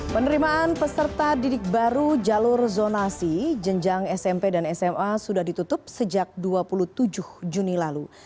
penerimaan peserta didik baru jalur zonasi jenjang smp dan sma sudah ditutup sejak dua puluh tujuh juni lalu